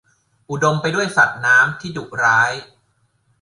อุดมไปด้วยสัตว์น้ำที่ดุร้าย